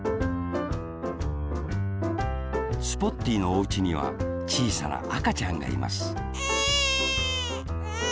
スポッティーのおうちにはちいさなあかちゃんがいますエンエン。